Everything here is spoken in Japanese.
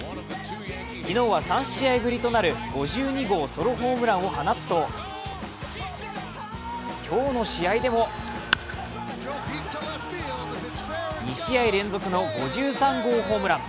昨日は３試合ぶりとなる５２号ソロホームランを放つと今日の試合でも２試合連続の５３号ホームラン。